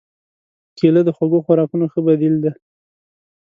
کېله د خوږو خوراکونو ښه بدیل دی.